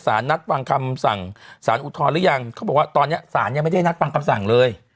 นัดฟังคำสั่งสารอุทธรณ์หรือยังเขาบอกว่าตอนนี้สารยังไม่ได้นัดฟังคำสั่งเลย